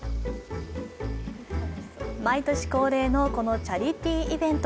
毎年恒例のこのチャリティーイベント。